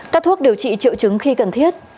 các thuốc điều trị triệu chứng khi cần thiết